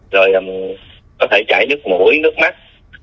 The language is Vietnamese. rồi có thể chảy nước mũi nước mắt